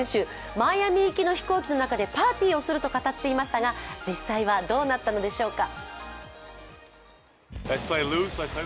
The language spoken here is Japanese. マイアミ行きの飛行機の中でパーティーをすると語っていましたが実際はどうなったのでしょうか？